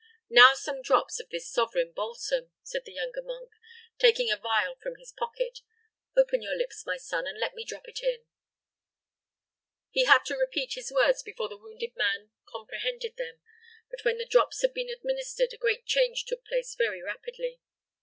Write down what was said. "Now some drops of this sovereign balsam," said the younger monk, taking a vial from his pocket. "Open your lips, my son, and let me drop it in." He had to repeat his words before the wounded man comprehended them; but when the drops had been administered, a great change took place very rapidly.